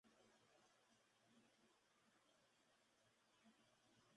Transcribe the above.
Las primeras cuatro y siete espinas, a veces, sólo una única disponible, están ascendiendo.